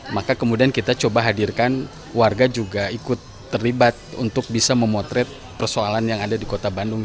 maka kemudian kita coba hadirkan warga juga ikut terlibat untuk bisa memotret persoalan yang ada di kota bandung